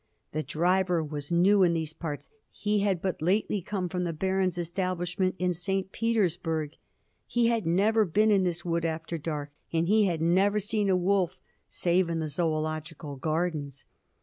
The driver was new to these parts; he had but lately come from the Baron's establishment in St. Petersburg. He had never been in this wood after dark, and he had never seen a wolf save in the Zoological Gardens.